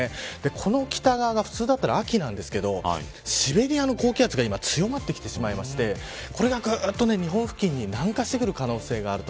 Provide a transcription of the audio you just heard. この北側が普通だったら秋なんですけどシベリアの高気圧が今強まってきていてこれが日本付近に南下してくる可能性がある。